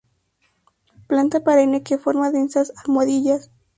Planta perenne, que forma densas almohadillas.